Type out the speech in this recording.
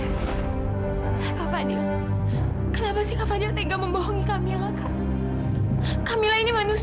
aku bukan fadil adalah pemandang